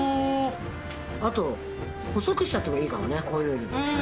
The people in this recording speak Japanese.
あと細くしちゃってもいいかもねこういうふうに。